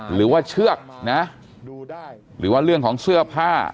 หรือว่าเชือกนะหรือว่าเรื่องของเสื้อผ้า